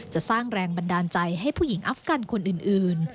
สร้างแรงบันดาลใจให้ผู้หญิงอัฟกันคนอื่น